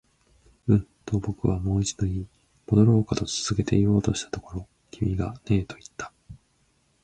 うん、と僕はもう一度言い、戻ろうかと続けて言おうとしたところ、君がねえと言った